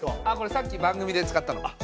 あっこれさっき番組で使ったの。